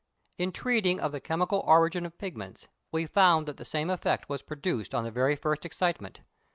In treating of the chemical origin of pigments we found that the same effect was produced on the very first excitement.